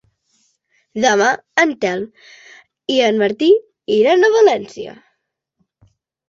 Demà en Telm i en Martí iran a València.